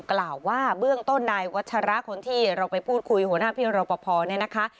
กล่าวว่าเบื้องต้นนายวัชระคนที่เราไปพูดคุยหัวหน้าพี่รอปภเนี่ยนะคะ